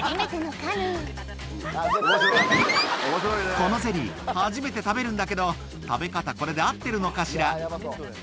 このゼリー、初めて食べるんだけど、食べ方、これで合ってるのかしら。